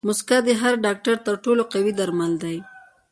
موسکا د هر ډاکټر تر ټولو قوي درمل دي.